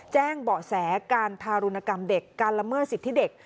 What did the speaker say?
แจ้งเบาะแสการทารุณกรรมเด็กการละเมิดสิทธิเด็ก